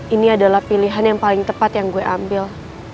ini adalah pilihan yang paling tepat yang gue ambil